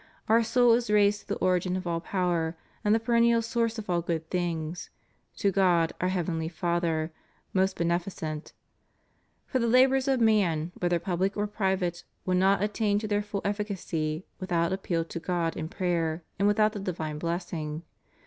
Our soul is raised to the origin of all power and the perennial source of all good things, to God our Heavenly Father, most beneficent. For the labors of man, whether public or private, will not attain to their full efficacy without appeal to God in prayer and \\ithout the divine blessing.